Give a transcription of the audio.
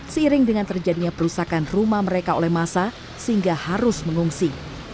seiring dengan terjadinya perusakan rumah mereka oleh masa sehingga harus mengungsi